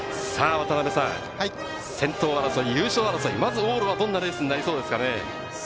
渡辺さん、先頭争い、優勝争い、まず往路はどんなレースになりそうですかね？